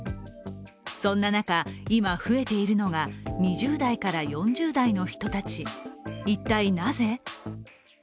そんな中、今増えているのが２０代から４０代の人たち一体なぜ？